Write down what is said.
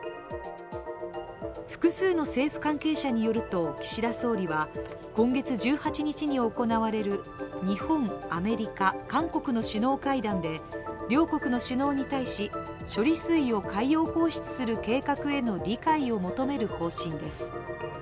複数の政府関係者によると、岸田総理は今月１８日に行われる日本、アメリカ、韓国の首脳会談で両国の首脳に対し処理水を海洋放出する計画への理解を求める方針です。